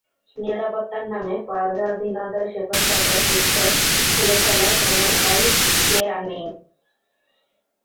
নিরাপত্তার নামে পরাধীনতার শেকল খ্যাত চিপসেট খুলে ফেলার কোনো উপায় যে আর নেই!